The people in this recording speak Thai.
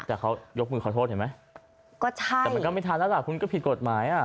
แต่เขายกมือขอโทษเห็นไหมก็ใช่แต่มันก็ไม่ทันแล้วล่ะคุณก็ผิดกฎหมายอ่ะ